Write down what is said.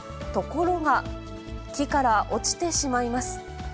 ところが、木から落ちてしまいます。